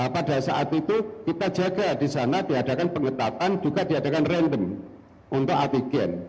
pada saat itu kita jaga di sana diadakan pengetatan juga diadakan random untuk antigen